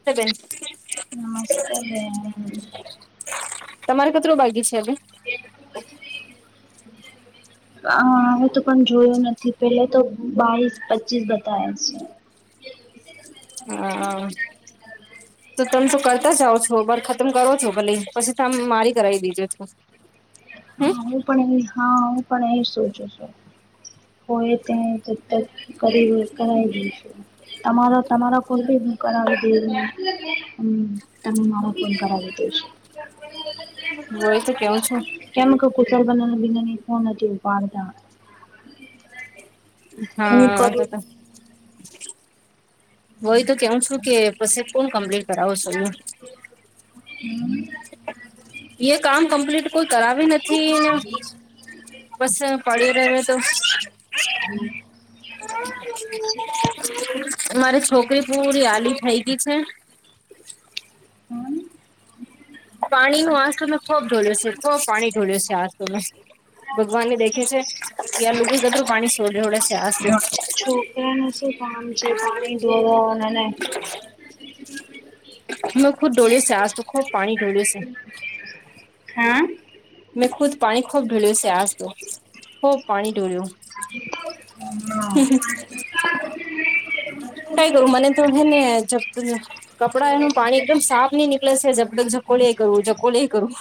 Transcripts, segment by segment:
[unintelligible] [unintelligible] તમારે કટરું બાકી છે હવે હા હુતો પણ જોયું નથી પેલે તો બાવીસ, પચીસ બતાયે છે હા તો તમે તો કરતા જાઓ છો બર ખતમ કરો છો ભલે પછી તમે મારી કરાવી દીજો તો [unintelligible] હા, હું પણ એ હા, હું પણ એ જ સોચું છું કોઈએ કંઈ [unintelligible] કરી હોય, કરાઈ જઈશે તમારા, તમારા કોઈ બી હું કરાવી દેમ, હમ તમે મારો ફોન કરાવી દેજો મોડેથી કેવું છું કેમ કુસળ બના, બિનાની ફોન નથી ઉપાડતા હું હા, કરું હોય તો કેવ છું કે પછી કોણ કમ્પ્લીટ કરાવો છો [unintelligible] એ કામ કમ્પ્લીટ કોઈ કરાવી નથી ને બસ [unintelligible] પડી રહે તો હમ મારી છોકરી પૂરી આલી થઈ ગઈ છે પાણી નો આજ તો મેં ખોબ ઢોલ્યો છે ખોબ પાણી ઢોલ્યો છે આજ તો મેં. ભગવાનને દેખે છે કે આ લોકો કતરુ પાણી છોડે ઢોડે છે આજ તો. ત્યાંનુ શું કામ છે પાણી ઢોળોને ખુબ ડોળ્યો સે આજ તો ખૂબ પાણી ઢોળ્યું છે હા. મેં ખુદ પાણી ખૂબ ઢોળ્યું છે આજ તો ખૂબ પાણી ઢોળ્યું. હ [unintelligible] સઈ કરું મને તો હેને જપ્ત કપડાં એનું પાણી એકદમ સાફ નહીં નીકલે શે જબતક જકોલી કરું જકોલીએ કરું.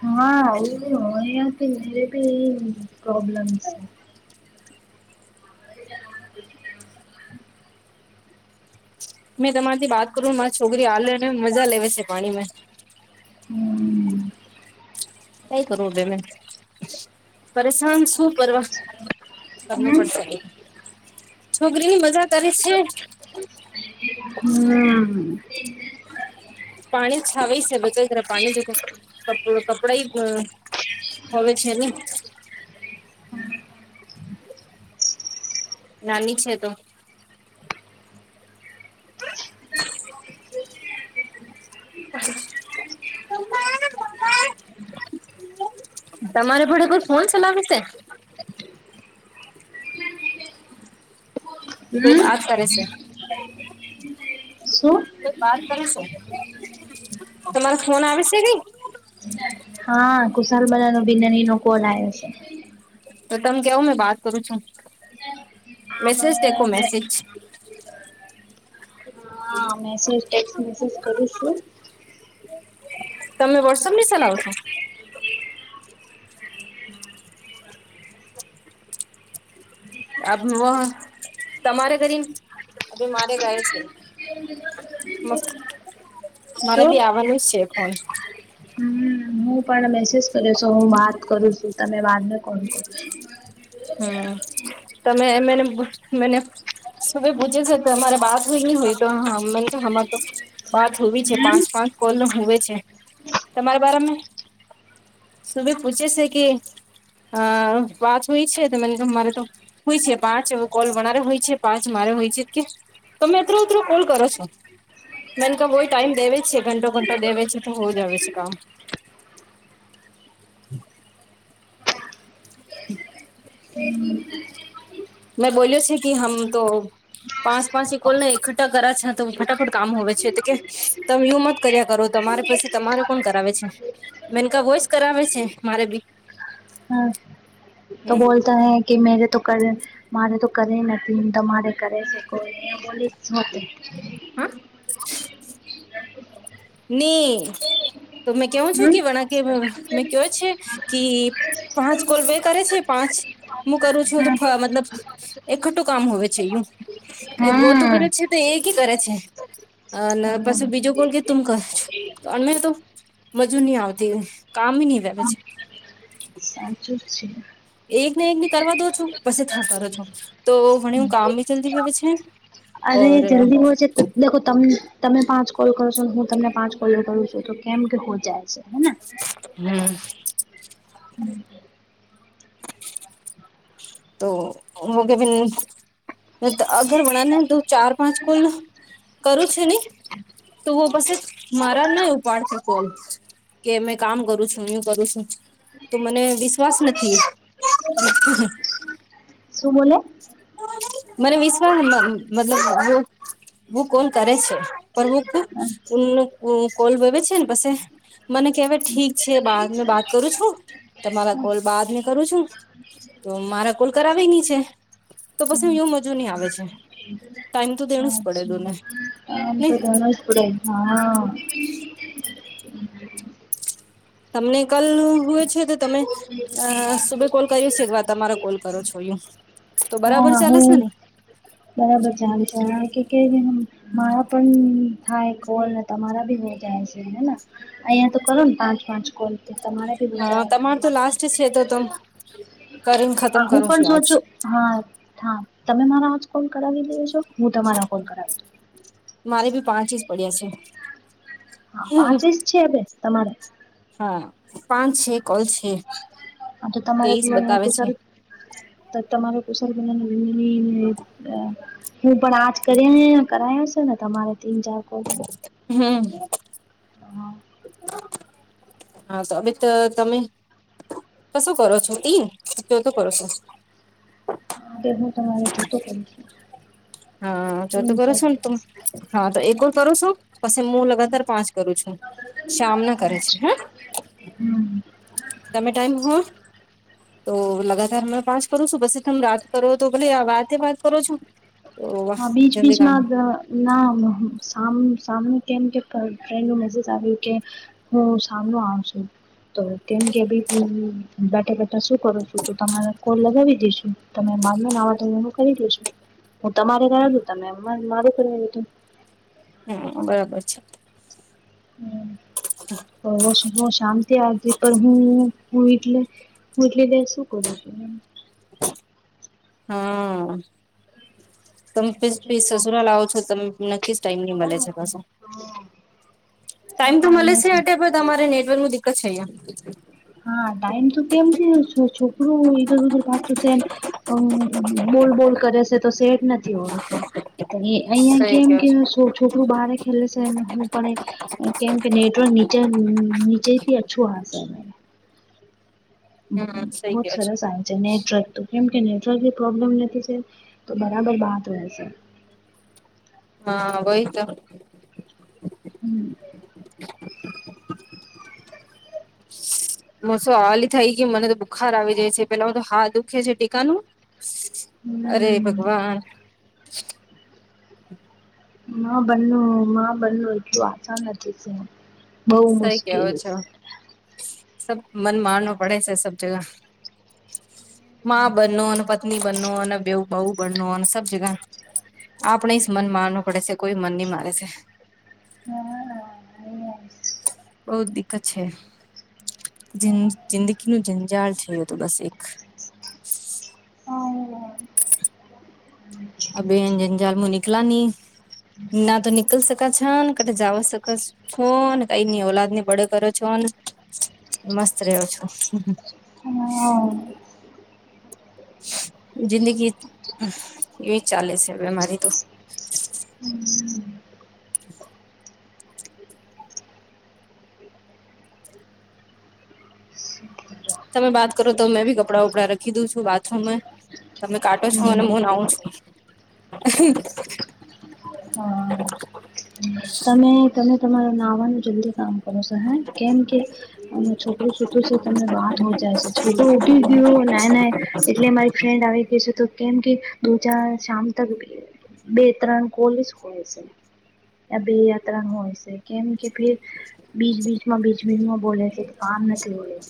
હા ઓય ની અહીંયા બી એટલી પ્રોબ્લેમ છે. મેં તમારીથી બાત કરું ને મારી છોકરી હાલે ને મજા લેવે શે પાણીમાં. હમ્મ. કઈ કરવું રેમે પરેશાન શું કરવા કરનુ પડ શા બી છોકરીની મજા કરે છે. હમ્મ. પાણી છાવઈ શે ભજઈ કરા પાણી જો કપ કપડાં હવે છે ને. નાની છે તો. [unintelligible] તમારે ઘરે કોઈ ફોન ચલાવે શે? એ કોઈ વાત કરે શે. શું? કોઈક વાત કરેશે તમારો ફોન આવેશે કઈ? હા ખુશાલ બલાનો બિનનીનો કોલ આવે શે. તો તમ કેવ મેં બાત કરું છું મેસેજ દેખો આપણે મેસેજ. હા મેસેજ ટેક્સ મેસેજ કરું છું. તમે વોટ્સપ ની સલાવ છો? આપ વ તમારે ઘરે આ મારે ઘરે છે. મસ્ત, મારે શું બી આવવાનું જ શે ફોન. હમ હું પણ મેસેજ કર્યો છે હું વાત કરું છું તમે વાતને કોન હમ્મ તમે એમેને મને સુબેહ પૂછે છે તો તમારે બાત હોય ની હોય તો હમાર તો વાત હોવી છે હમ પાંચ પાંચ કોલનું હોવે છે તમારા બારામે સુબે પૂછે શે કે અ વાત હોય છે તો મને મારે તો હોય છે પાંચ એવો કોલ વણારે હોય છે પાંચ મારે હોય છે કે તમે અતત્રો અતરો કોલ કરો છો? મન તો વોય ટાઈમ દેવે છે ઘંટો ઘંટો દેવે છે તો હો જાવે છે કામ. હમ્મ. મેં બોલીયો છે કી હમ તો પાંચ પાંચ કોલને એકઠ્ઠા કરા છે તો ફટાફટ કામ હોવે છે તો કે તમે યુ કર્યા કરો તમારે પસી તમારે કોણ કરાવે છે મેનકા વોયસ કરાવે છે મારે બી. હા તો હ બોલતા હૈ કે મેરે તો કર મારે તો કરે નથી તમારે કરે છે કોલ એવું બોલી હા? ની તો મેં કેવું છું હમ કે, વણા. મેં કેયોય છે કે, પાંચ કોલ બે કરે છે, પાંચ. હું કરું છું, તો મતલબ એકઠું કામ હો છે યું. હમ એવો તો કરે છે, તો એ કરે છે, અને હમ પછી બીજો કોલ કે તમ કરો છો? અમે તો મજુ નહીં આવતી, કામ નહીં આવે, પછી સાચું જ છે. એક ને, એક ને, કરવા દો છો, પછી થા કરો છો, તો ઘણી હું કામ બી ચાલતી ગય પ છે. અરે ઓર જલ્દી હોચે તો. દેખો ત તમે પાંચ કોલ કરો છો, હું તમને પાંચ કોલ કરું છું, તો કેમ કે હો જાય છે. હેને હમ. હમ. તો મગ બન [unintelligible] અગર વણા ને, ત ચાર પાંચ કોલ મેં કરું છે ને. તું પછી મારા ના ઉપાડ શકો. કે મેં કામ કરું છું, હું કરું છું. તો મને વિશ્વાસ નથી. શું બોલે? મને વિશ્વાસ મતલબ હું કોન કરે છે? પણ હું કોલ વવે છે ને, પસે મને કહેવાય ઠીક છે, બાદ બાત કરું છું, તમારા કોલ બાદને કરું છું. તો મારા કોલ કરવાની છે. તો પછી હ એવ મજો નહી આવે છે, ટાઈમ તો દેણું જ પડે તુંને. એ તો ઘન પડે, હા. હ. તમને કલ હોય છે, તો તમે અ સુબ કોલ કર્યું છે, એકવાર તમારો કોલ કરો છો યું. હા, હું બરાબર ચાલે છે, કે ર મારા પણ થાય કોલ ને, તમારા ભી હો જાય છે. અહિયાં તો કરો ને, પાંચ-પાંચ કોલ તમારે બી હા થયા તમાર તો જાય. લાસ્ટ છે તો તમ કરીને ખતમ હું કરો પણ છો સો આજ છું. હા, હા, તમે મારા જ કોલ કરાવી દે છો, હું તમારા કોલ કરાવીશ. મારે બી પાંચ ઇસ પડ્યા છે. હા, પાંચેસ છે, અબે તમારે હા, પાંચ છે, કોલ છે. આ તો તમારે તેઈસ પીવાનું બતાવે છે કુસારુ. તમારે કુશાર વીના ને [unintelligible] હું પણ આજ કર્યા કરાશે ને, તમારે તીન-ચાર કોલ. હમ. હા હા, તો હમે તો તમે. ક શું કરો છો? તીન-ચોથું કરો છો? તે હું તમારે ચોતો કરુ છું. હા, ચોતું પૂરું કરો થઈ શ તુંમ. જશે હા, તો એક જ કરું છું, પછી હું લગાતાર પાંચ કરું છું, શ્યામ ના કરે સાચું છે હ. હમ. તમે ટાઈમ હો. તો લગાતાર. હમે પાસ કરું છું, પછી તમે રાત કરો, તો ભલે વાતે વાત કરો છો. તો વાહ હા, બીચ જલ્દી કામ બીચમાં ધ ના સામ સામનું કેમ કે, ફ્રેન્ડનું મેસેજ આવ્યું કે. હું સામનો આવ છું, તો તેમ કે અભી બેઠા બેઠા શું કરો છું? તો તમારે કોલ લગાવી દઈશું, તમે બારમે નાવા ત એવું કરી દેશો. તમારે ક્યાં ઉતા તમે મારું કરી ધું. હમ, બરોબર છે. હ. હ, શામ થી આવ પણ હું, હું એટલે હું એટલે ત શું કરું છું. [unintelligible] હા. તમે પણ સસુરા લાવો છો, તમ નક્કી જ ટાઈમ ની મળે છે પાછું. ટાઈમ તો મળે છે, અટે અહીંયા પણ તમારે નેટવર્ક નુ દિક્કત છે, અહિયાં. હા, ટાઈમ તો કેમ કે છોકરો ઇધર ઉધર ભાગતું છે ને. હ, બોલ, બોલ કરે છે, તો શેટ. નથી હોય, અહિયાં સહી કેમ કયો કે છો છોકરું બારે ખેલે છે, હું પણ એ કેમ કે નેટવર્ક નીચે-નીચે થી અચ્છું આવશે. હમ સહી બહુત કયો છો સરસ આવે છે, નેટવર્ક તો. કેમ કે નેટવર્કની પ્રોબ્લેમ નથી છે, તો બરાબર બાત રહેશે. હા, વહી તો. હમ. મુ સો આલી થઈ, ગી મને તો બુખાર આવી જાય છે, પેલા હ તો હાથ દુખે છે ટીકાનું. અરે હમ ભગવાન. માં બન્નું માં બન્નું એટલું આસાન નથી છે. બહુ સહી કેવો મુશ્કેલ છો. છે સબ મન મારનું પડે છે, સબ જગા. મા બનનો અને પત્ની બનનો, અને બેવ બઉ બનનો અને સબ જગા. આપણે સ મન મારવું પડે છે, કોઈ મન ની મારે છે. હા. બહુ જ દિકકત છે, જિંદગી નુ ઝંઝાળ છે, એ તો બસ એક [unintelligible] હ. અ બે અંજંજાલ મુ નનીકલા ની ના તો નિ [unintelligible] નીકલ શકા છો ને, કટે જવા સક છો ને, કઈની ઓ ઔલાદ ને બળો કરો છો ને. મસ્ત રહ્યો છો. હ. જિંદગી એવી ચાલે છે, બમારી તો હમ. [inaudible] તમે વાત કરો, તો મેં ભી કપડાં વપડા રખી દઉં છું, બાથરૂમમાં. તમે કાટો છો, હમ અને હું નાવું છું. હા. તમે તમે તમાર નાવાનું જલ્દી કામ કરો છો, હ કેમ કે અને છોકરું શતું છે, તમને બાંધ હો જાય છે, છોકરો ઉઠટી ગયો ના ના. એટલે મારી ફ્રેન્ડ આવી ગઈ છે, તો કેમ કે દ ચાર શામ તક બે-ત્રણ કોલીસ કો છે. યા બે યાત્રા ન હોય છે. કેમ કે, ફે બીજ બીજમાં બીજ બીજમાં બોલે છે, તો કામ નથી હોય.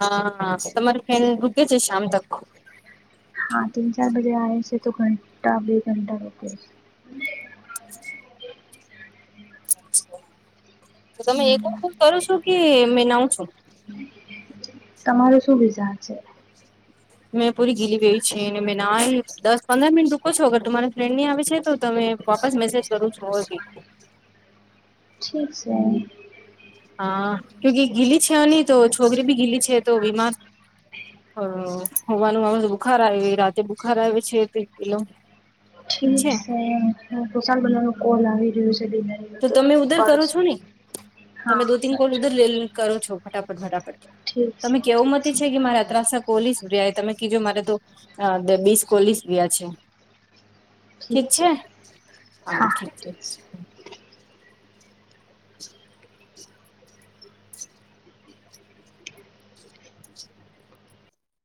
હા, તમારી ફેન રૂકે છે, શામ તક. હા, તીન-ચાર બજે આવે છે, તો ઘંટા બે ઘંટા રોકે છે. તો તમે એક હમ વાત કરો છો કે, મે નાવ છું. તમારો શું વિઝા છે? મેં પૂરી ગીલી ગય છે, અને મે ના દસ પંદર મિનટ રૂકો છો, અગર તમારી ફ્રેન્ડ ની આવે છે તો. તમે વાપસ મેસેજ કરો છો હો? ઠીક છે. હા, કુકી ગીલી છે ને, તો છોકરી ભી ગીલી છે, તો બીમા હ, હોવાનું મા બુખાર આવે, રાતે બુખાર આવે છે, એલો. ઠીક છે. હ, તોશાલ બલા ન કોલ આવી રહ્યું છે ડિલરી. તો તમે ઉધર કરો છો ને, તમે હા દો-તીન કોલ સાચું ઉધર લે, કરો છો, ફટાફટ-ફટાફટ. ઠીક છે તમે ઠીક કેવું મતી છે કે, મારા ત્રાસક કોલીસ વ્રિયા એ તમે કીજો મારે તો બીસ કોલીસ વિયા છે. ઠીક છે, હ હા છે. ઠીક છે